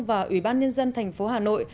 và ủy ban nhân dân thành phố hà nội